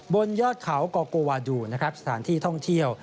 บนยอดเขาก็โกวาดุสถานที่ท่องเที่ยว